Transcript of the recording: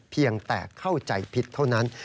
เพียงแต่เข้าใจผิดเท่านั้น